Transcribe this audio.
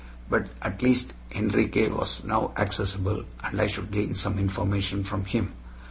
But at least Enriquez was now accessible, and I should gain some information from him.